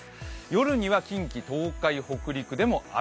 夜には近畿、東海、北陸でも雨。